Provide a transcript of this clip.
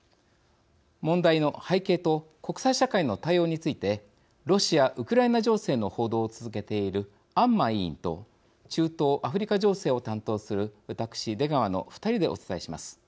問題の背景と国際社会の対応についてロシア・ウクライナ情勢の報道を続けている安間委員と中東・アフリカ情勢を担当する私出川の２人でお伝えします。